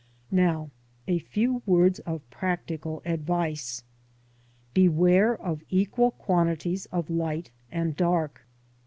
Now a few words of practical advice. Be ware of equal quantities ofjight and dar k.